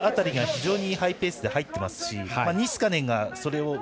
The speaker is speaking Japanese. ジューブ辺りが非常にハイペースで入っていますしニスカネン